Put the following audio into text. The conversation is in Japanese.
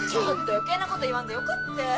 余計なこと言わんでよかって。